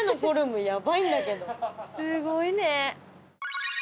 すごいね。